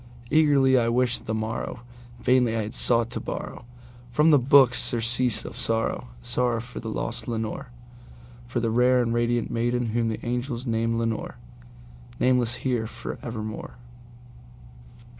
Eagerly I wished the morrow;—vainly I had sought to borrowFrom my books surcease of sorrow—sorrow for the lost Lenore, For the rare and radiant maiden whom the angels name Lenore:Nameless here for evermore.